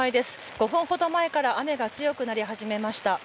５分ほど前から雨が強くなり始めました。